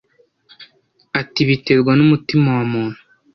ati biterwa n'umutima wa muntu